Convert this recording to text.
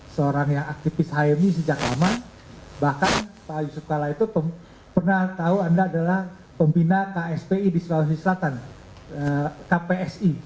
seorang yang aktivis hmi sejak lama bahkan pak yusuf kala itu pernah tahu anda adalah pembina kspi di sulawesi selatan kpsi